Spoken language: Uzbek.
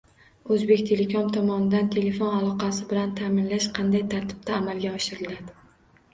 “O’zbektelekom” tomonidan telefon aloqasi bilan ta’minlash qanday tartibda amalga oshiriladi?